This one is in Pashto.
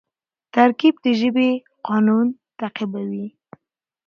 ترکیب د ژبي قانون تعقیبوي.